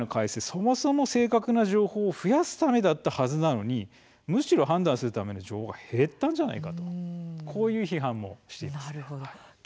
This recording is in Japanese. そもそも正確な情報を増やすためだったはずなのにむしろ判断するための情報が減ったのではないかと批判が出ています。